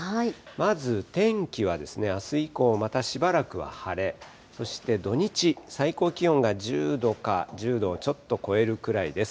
まず天気は、あす以降、またしばらくは晴れ、そして土日、最高気温が１０度か、１０度をちょっと超えるくらいです。